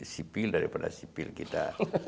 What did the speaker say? sipil daripada sipil kita